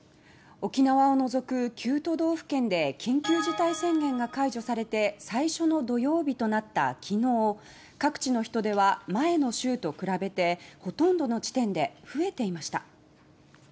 沖縄を除く９都道府県で緊急事態宣言が解除されて最初の土曜日となったきのう各地の人出は前の週と比べてほとんどの地点で増えていました。